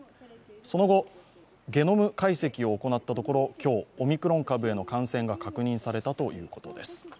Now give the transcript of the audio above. その後、ゲノム解析を行ったところ今日、オミクロン株への感染が確認されたということです。